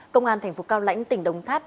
công an tp cao lãnh tỉnh đồng tháp